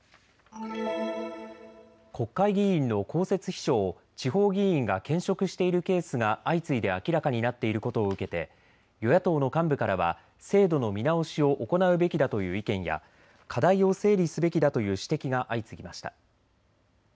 国会議員の公設秘書を地方議員が兼職しているケースが相次いで明らかになっていることを受けて与野党の幹部からは制度の見直しを行うべきだという意見や課題を整理すべきだという指摘が相次ぎました。